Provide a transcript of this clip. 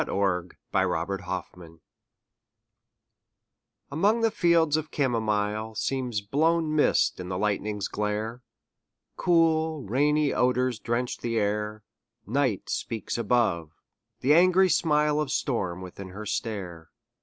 THE WINDOW ON THE HILL Among the fields the camomile Seems blown mist in the lightning's glare: Cool, rainy odors drench the air; Night speaks above; the angry smile Of storm within her stare.